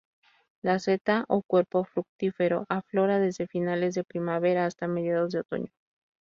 La seta, o cuerpo fructífero, aflora desde finales de primavera hasta mediados de otoño.